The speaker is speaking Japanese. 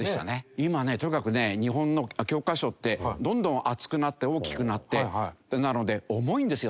今ねとにかくね日本の教科書ってどんどん厚くなって大きくなってなので重いんですよ。